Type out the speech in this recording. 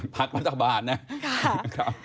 พักประชาบาลนะ